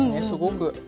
すごく。